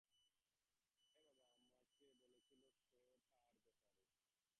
হ্যাঁ, বাবা আমাকে বলেছিল শো-টার ব্যাপারে।